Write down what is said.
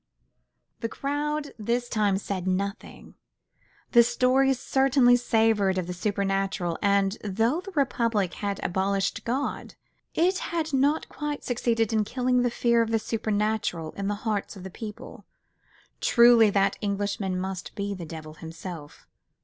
The crowd this time said nothing: the story certainly savoured of the supernatural, and though the Republic had abolished God, it had not quite succeeded in killing the fear of the supernatural in the hearts of the people. Truly that Englishman must be the devil himself.